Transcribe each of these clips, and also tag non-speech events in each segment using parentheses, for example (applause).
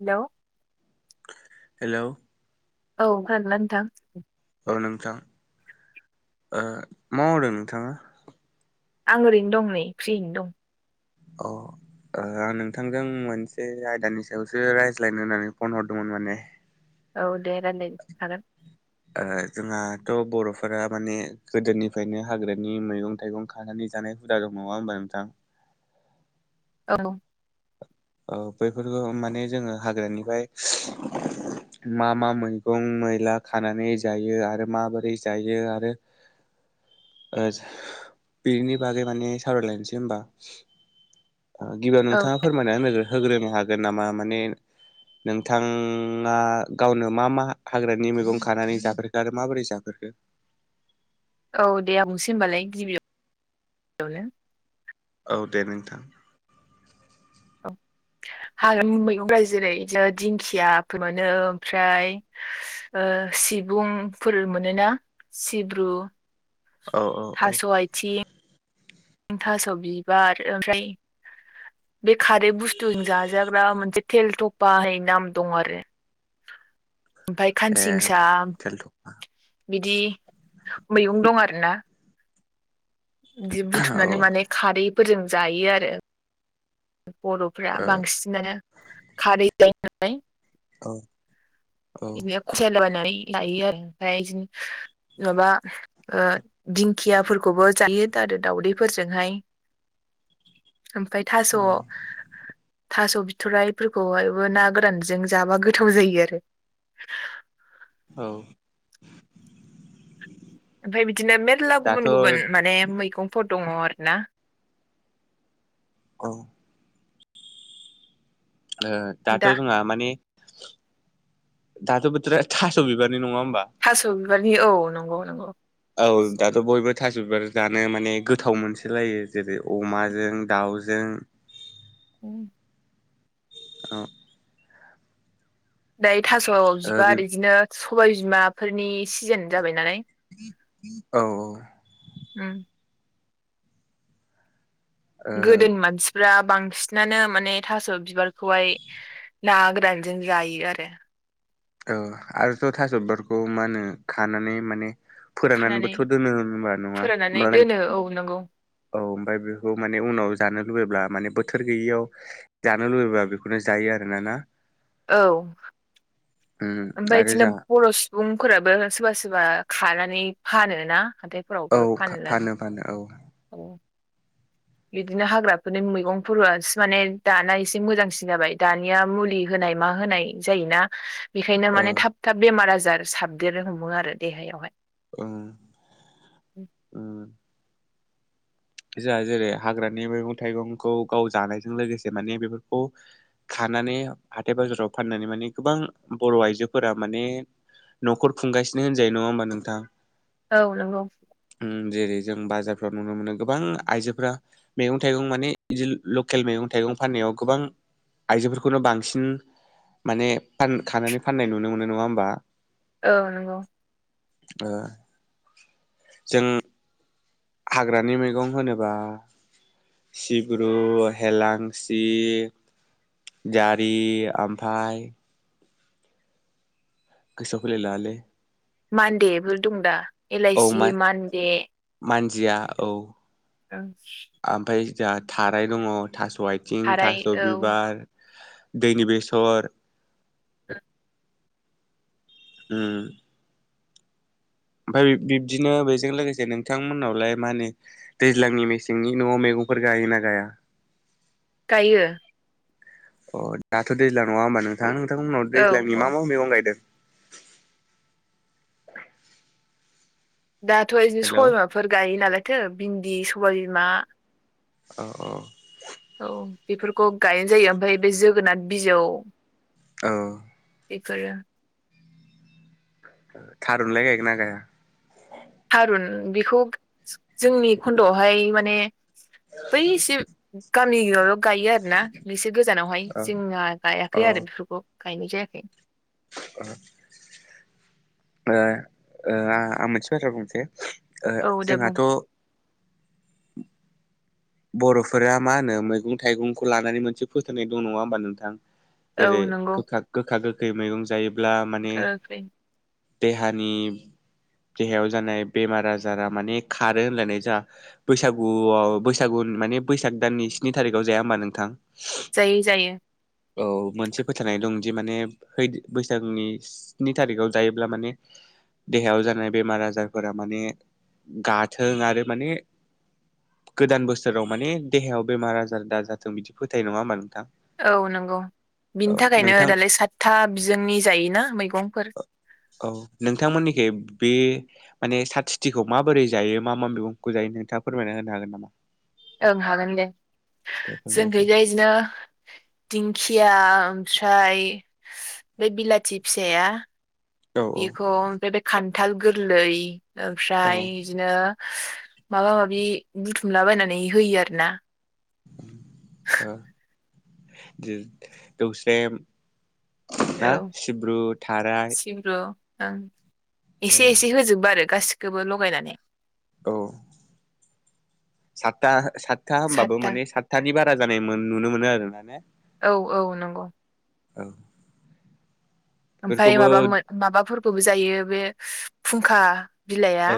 हेल'। Hello. औ खोनादोंना नोंथां? औ नोंथां ओ मा मावदों नोंथाङा? आं ओरैनो दं नै फ्रियैनो दं। औ। आं नोंथांजों मोनसे आयदानि सायावसो रायज्लायनो होननानै फन हरदोंमोन माने। औ दे रानज्लायनो हागोन। जोंहाथ' बर'फोरा माने गोदोनिफ्रायनो हाग्रानि मैगं- थाइगं खानानै (unintelligible) जानाय हुदा दं नङा होनबा नोंथां? औ। औ बैफोरखौ माने जोङो हाग्रानिफ्राय मा -मा मैगं मैला खानानै जायो आरो माबोरै जायो आरो (unintelligible) (unintelligible) बिनि बागै माने सावरायलायनोसै होमबा। गिबियाव औ नोंथाङा फोरमायना होनो- होग्रोनो हागोन नामा? माने नोंथाङा गावनो मा- मा हाग्रानि मैगं खानानै जाफेरखो आरो माबोरै जाफेरखो? (unintelligible) औ दे आं बुंसै होमबालाय गिबि गिबियावनो। औ दे नोंथां। औ। हाग्रानि मैगंफ्रा जेरै दिंखियाफोर मोनो ओमफ्राय सिबुंफोर मोनोना सिब्रु? औ औ औ थास आयथिं थास' बिबार आरो ओमफ्राय बे खारै बुस्थुजों जाजाग्रा मोनसे थेल थफाय नाम दं आरो। ओमफ्राय ए खानसिंसा। थेलथ' औ बिदि मैगं दं आरोना। बिदि औ बुथुमनानै माने खारैफोरजों जायो आरो। बर'फोरा बांसिनानो खारै जायो नालाय औ औ बिदिनो खनसायला बायनानै जायो ओमफ्राय बिदि माबा दिंखियाफोरखौबो जायो आरो दावदैफोरजोंहाय ओमफ्राय थास' थास' बिथ'राइफोरखौहायबो ना गोरानजों जाबा गोथाव जायो आरो। (inaudible) औ ओमफ्राय बिदिनो मेरला दाथ' गुबुन गुबुन माने मैगं फोर दङ आरोना। औ दाथ' दा जोंहा माने दाथ' बोथोर थास' बिबारनि नङा होम थास' बिबारनि औ नंगौ नंगौ। औ दाथ' बयबो थास बिबार जानो माने गोथाव मोनसोलायो जेरै अमाजों दाउजों (inaudible) औ दायो थास' औ बिबार बिदिनो सबाय बिमाफोरनि सिजोन जाबाय नालाय। औ औ उम औ गोदो मानसिफ्रा बांसिनानो माने थास' बिबारखौहाय ना गोरानजों जायो आरो। औ आरोथ' थास' बखौ मा होनो खानानै माने खानानै फोराननानैबोथ' दोनो होनबा नङा फोराननानै होम दोनो औ नंगौ औ ओमफफ्राय बेखौ माने उनाव जानो लुबैब्ला माने बोथोर गैयैयाव जानो लुबैब्ला बेखौनो जायो आरोना ना। औ उम ओमफ्राय आरो बिदिनो जा बर' सुबुंफोराबो सोरबा सोरबा खानानै फानोना औ हाथाइफोरावबो फाननो फानो फानो औ औ बिदिनो हाग्राफोरनि मैगंफोरो माने दाना एसे मोजांसिन जाबाय दानिया मुलि होन होनाय मा होनाय जायोना बेखायनो ओ माने थाब थाब बेमार आजार साबदेरनो हमो आरो देहायावहाय (inaudible) ओं उम जोंहा जेरै हाग्रानि मैगं थाइगंखौ गाव जानायजों लोगोसे माने बेफोरखौ फनानै हाथथाय बाजाराव फाननानै माने गोबां बर' आइजोफोरा माने न'खर खुंगासिनो होनजायो नङा होमबा नोंथां? औ नंगौ। उम जेरै जों बाजारफ्राव नुनो मोनो गोबां आइजोफोरा मैगं थाइगं माने बिदि लकेल मैगं थाइगं फाननायाव गोबां आइजोफोरखौनो बांसिन माने खानानै फाननाय नुनो मोनो नङा होमबा? औ नंगौ। ओ जों हाग्रानि मैगं होनोबा सिब्रु हेलांसि जारि आमफाय गोसोआव फैलाय लाङा लोय। मान्डेफोर दं दा एलइसि मान्डे जिया औ। ओं ओमफ्राय जोंहा थाराय दङ थास' आथिं थाराय थास' औ बिबार दैनि बेसर (unintelligible) उ ओमफ्राय बिब्दिनो बेजों लोगोसे नोंथांमोननावलाय मा होनो दैज्लांनि मेसेंनि न'आव मैगं फोर गायो ना गाया? गायो। अ' दाथ' दैज्लां नङा होमबा नोंथाङा नोंथांमोननाव औ दैज्लांनि औ मा मा मैगं गायदों? दाथ' बिदिनो हेल' औ सबायमाफोर गायो नालायथो भिन्दि सबायबिमा औ औ औ बेफोरखौ गायनाय जायो ओमफ्राय बे जोगोनार बिजौ औ बेफोर। थारुन लाय गोना गाया? थारुन बेखौ जोंनि खन्द'आवहाय माने बै (unintelligible) गामियाव ल गायो आरोना एसे गोजानावहाय औ जोंना औ गायाखै आरो ओ बेफोरखौ गायनाय जायाखै। (unintelligible) ओ ओ आं मोनसे बाथ्रा बुंसै ओ औ दे बुं जोंहाथ' बर'फोरा मा होनो मैगं थाइगंखौ लानानै मोनसे फोथायनाय दं नङा होमबा नोंथां? औ जेरै नंगौ गोखा गोखा गोखै मैगं जायोब्ला माने-' ओंख्रि देहानि देहायाव जानाय बेमार आजारा माने खारो होनलायनाय जा बैसागुआव बैसा बैसागुन माने बैसाग दाननि स्नि थारिखाव जाया होनबा नोंथां? जायो जायो औ मोनसे फोथायनाय दंदि माने बैसागनि स्नि थारिखाव जायोब्ला माने देहायाव जानाय बेमार आजारफोरा माने गाथों आरो माने (inaudible) गोदान बोसोराव माने देहायाव बेमार आजार दााजाथों बिदि फोथायनाय नङा होमबा नोंथां। औ नंगौ बिनि औ थाखायनो नोंथां दालाय सातथा बिजोंनि जायोना मैगंफोर। औ नोंथांमोननिखाय बे माने साथिथिखौ माबोरै जायो मा मा मैगंखौ जायो? नोंथाङा फोरमायना होनो हागोन नामा? ओं हागोन दे दे फोरमायसै जोंखैजा बिदिनो दिंखिया ओमफ्राय बे बिलाथि फिसाया औ बेखौ बे खान्थाल गोरलै ओमफ्राय औ बिदिनो माबा माबि बुथुमलाबायायनानै होयो आरो ना। ओ दौस्रेम औ हा सिब्रु थाराय सिब्रु ओं एसे एसे होजोबबो आरो गासिखौबो लगायनानै। औ सातथा सातथा हबाबो सातथा माने सातथानि बारा जानाय नुनो मोनो आरोना ने औ औ नंगौ औ ओमफफ्राय बेफोरखौबो माबा मोन माबाफोरखौबो जायो बे फुंखा। बिलाइआ औ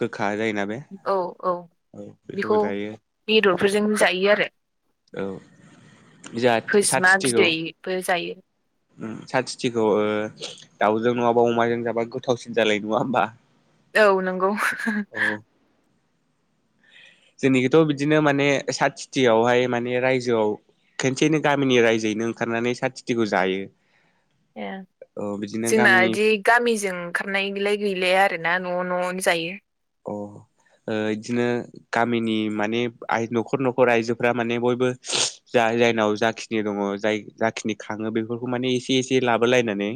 गोखा जायोना बे औ औ औ बेखौबो बेखौ जायो बेदरफोरजों जायो आरो औ जोंहा खैजेमा बिदैबो जायो सा सिथिखौ दाउजों नङाबा अमाजों जाबा गोथावसिन जालायो नङा होमबा। औ नंगौ जोंनिखिथ' बिदिनो माने सात सिटियावहाय माने रायजोआव खनसेयैनो गामिनि रायजोयैनो ओंखारनानै सा थिथिखौ जायो ए औ बिदिनो जोंना गामिनि बिदि गामिजों ओंखारनायलाय गैलाया आरो ना न' न'नो जायो बिदिनो गामिनि माने न'खर न'खर आइजोफ्रा माने बयबो ज जायनाव जाखिनि दङ जाय जाखिनि खाङो बेफोरखौ माने एसे एसे लाबो लायनानै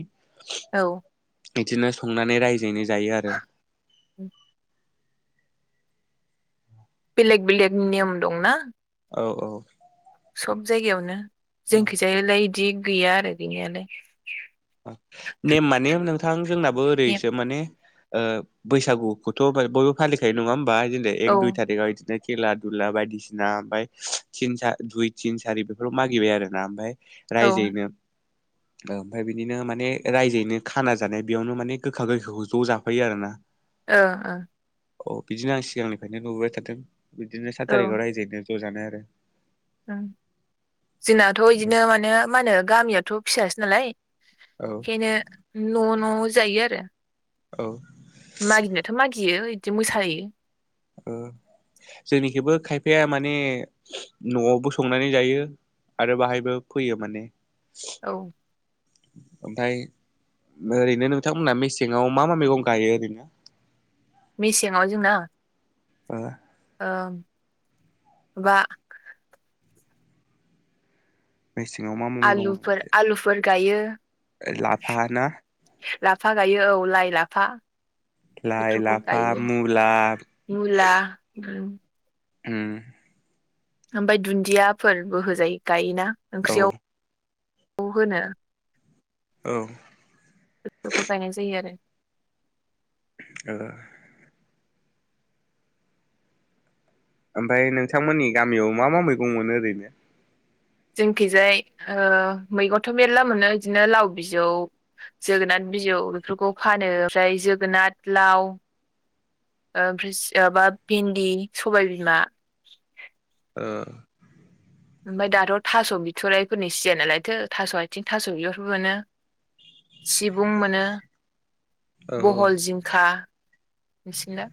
औ बिदिनो संनानै रायजोयै जायो आरो बेलेग बेलेग नियम दंना औ औ सब जायगायावनो औ जोंखैजायालाय बिदि गैया आरो गैनायालाय। नेम माने नोंथां जोंनाबो नेम ओरैसो माने बैसागुखौथ' बयबो फालिखायो नङा होमबा बिदिनो औ एक दुइ थारिकाव बिदिनो खेला दुला बायदिसिना ओमफाय थिन दुइ तिन सारि बेफोराव मागिबाय आरो ना ओमफफ्राय ओ रायजोयैनो ओमफ्राय बिदि बिदिनो माने रायजोयैनो खाना जानाय बेयावनो माने गोखा गोखाखौ ज' जाफैयो आरो ना ओ औ बिदिनो आं सिगांनिफ्रायनो नुबोबाय थादों बिदिनो सात थारिखाव ओं रायजायैनो ज' जानाय आरो जोंनाथ' बिदिनो माने मा होनो गामियावथ' फिसासो नालाय औ बेखायनो न' न' जायो आरो औ मागिनोथ' मागियो बिदि मोसायो बिफाया माने न'आवबो संनानै जायो आरो बाहायबो फैयो माने। औ ओमफ्राय ओरैनो नोंथांमोनहा मेसेंआव मा मा मैगं गायो ओरैनो। मेसेंआव जोंना ओ ओ मेसेङाव मा मा आलुफोर मैगं आलुफोर गायो। लाफा ना लाफा गायो औ लाइ लाफा। लाइ बेफोरखौ लाफा गायो। मुला मुला ओम ओमफ्राय दुन्दियाफोरबो होजायोना गायोना औ ओंख्रियाव औ होनो। औ बेफोरखौ गायनाय जायो आरो। औ ओमफ्राय नोंथांमोननि गामियाव मा मा मैगं मोनो ओरैनो? जोंखिजाय मैगंथ' मेरला मोनो बिदिनो लाव बिजौ जोगोनाथ बिजौ बेफोरखौ फानो ओमफ्राय जोगोनाथ लाव ओमफ्राय माबा भिन्दि सबायबिमा ओ ओमफफ्राय दाथ' थास' बिथ'राइफोरनि सिजाय नालायथो थास' आथिं थास' बिहरबो मोनो सिबुं मोनो औ बहल जिंखा। नोंसना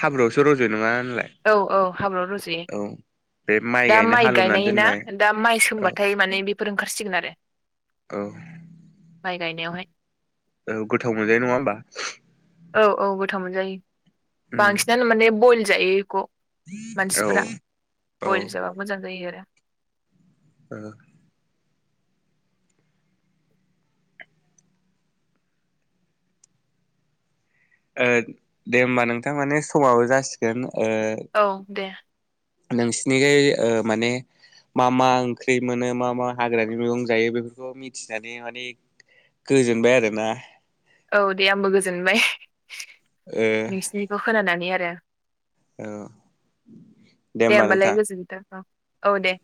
हाब्रुयावसो रज' नङा होनलाय औ औ हाब्रुयाव रजयो। औ बे दा गायनो माइ हालेवना गायनाय ना दोननाय दा माइ औ सोमबाथाय माने बेफोर ओंखारसिगोन आरो। औ माइ गायनायावहाय औ गोथाव मोनजायो नङा होमबा औ औ गोथाव मोनजायो उम बांसिनानो माने बयल जायो बेखौ। औ मानसिफोरा औ बयल जाबा मोजां जायो आरो। औ दे होमबा नोंथां माने समाबो जासिगोन औ दे नोंसिनिखाय माने मा मा ओंख्रि मोनो मा मा हाग्रानि मैगं जायो। बेफोरखौ मिथिनानै माने गोजोनबाय आरोना औ दे आंबो गोजोनबाय ओ नोंसिनिखौ खोनानानै आरो औ दे होमबा नोंथां होमबालाय गोजोनथों औ दे।